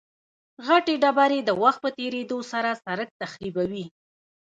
غټې ډبرې د وخت په تېرېدو سره سرک تخریبوي